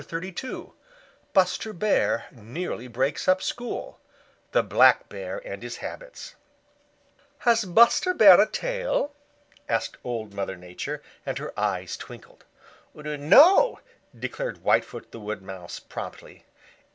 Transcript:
CHAPTER XXXII Buster Bear Nearly Breaks Up School "Has Buster Bear a tail?" asked Old Mother Nature, and her eyes twinkled. "No," declared Whitefoot the Wood Mouse promptly.